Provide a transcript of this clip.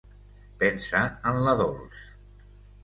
Pensa en la Dols.